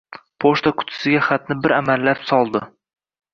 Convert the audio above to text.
pochta qutisiga xatni bir amallab soldi.